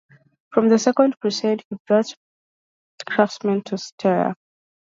From the Second Crusade, he brought Byzantine craftsmen to Styria.